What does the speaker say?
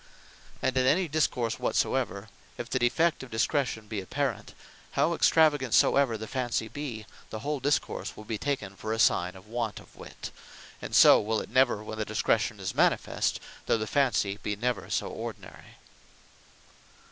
And in any Discourse whatsoever, if the defect of Discretion be apparent, how extravagant soever the Fancy be, the whole discourse will be taken for a signe of want of wit; and so will it never when the Discretion is manifest, though the Fancy be never so ordinary.